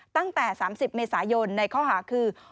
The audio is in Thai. ตั้งแต่๓๐เมษายนในข้อหาคือ